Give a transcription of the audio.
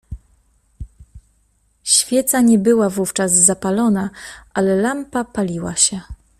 "Świeca nie była wówczas zapaloną, ale lampa paliła się."